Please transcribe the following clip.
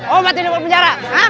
obat ini mau penjarab